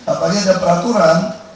apalagi ada peraturan